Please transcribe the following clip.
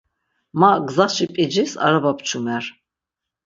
Ma gzaşi p̌icis araba pçumer.